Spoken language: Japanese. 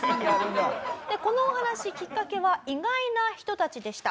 このお話きっかけは意外な人たちでした。